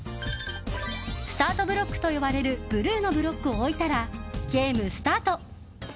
スタートブロックと呼ばれるブルーのブロックを置いたらゲームスタート！